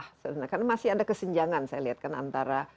karena masih ada kesenjangan saya lihat kan antara